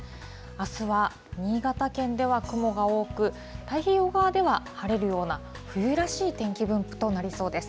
あすは新潟県では雲が多く、太平洋側では晴れるような冬らしい天気分布となりそうです。